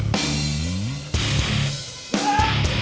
lo sudah bisa berhenti